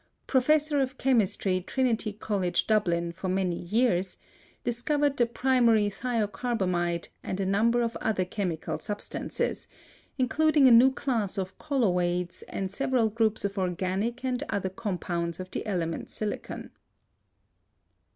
professor of chemistry, Trinity College, Dublin, for many years, discovered the primary thiocarbamide and a number of other chemical substances, including a new class of colloids and several groups of organic and other compounds of the element silicon.